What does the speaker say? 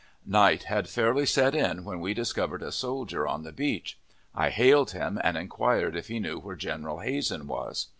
Night had fairly set in when we discovered a soldier on the beach. I hailed him, and inquired if he knew where General Hazen was.